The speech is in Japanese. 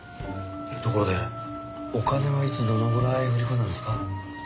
ところでお金はいつどのぐらい振り込んだんですか？